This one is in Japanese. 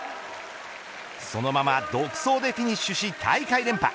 そのまま独走でフィニッシュし大会連覇。